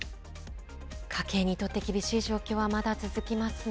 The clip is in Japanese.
家計にとって厳しい状況はまだ続きますね。